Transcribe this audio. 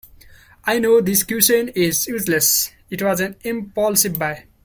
I know this cushion is useless, it was an impulsive buy.